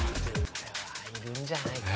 これはいるんじゃないか？